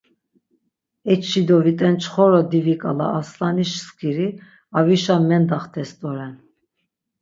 Eçidovit̆ençxoro diviǩala arslaniş skiri avişa mendxtes doren.